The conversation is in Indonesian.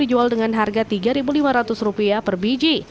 dijual dengan harga tiga lima ratus rupiah per biji